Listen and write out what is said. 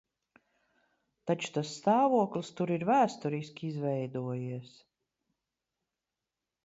Taču tas stāvoklis tur ir vēsturiski izveidojies.